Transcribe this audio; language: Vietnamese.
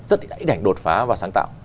rất ít ảnh đột phá và sáng tạo